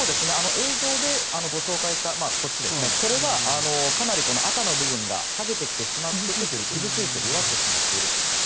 映像でご紹介したのはかなり赤の部分がはげてきてしまって傷ついている弱ってしまっていると。